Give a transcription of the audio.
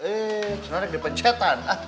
eh senangnya dipencetan